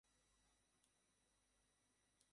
শালা, তুই এত্তসব কেমনে জানস?